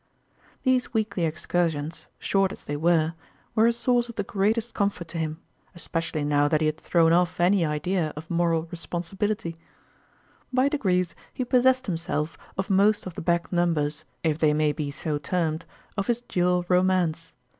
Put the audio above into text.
These weekly excursions, short as they were, were a source of the greatest comfort to him, especially now that he had thrown off any idea of moral responsibility. By degrees he possessed himself of most of the back numbers, if they may be so termed, of his dual romance.